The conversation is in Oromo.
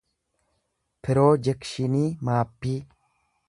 piroojekshinii maappii